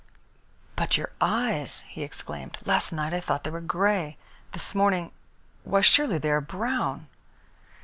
"But your eyes!" he exclaimed. "Last night I thought they were grey. This morning why, surely they are brown?"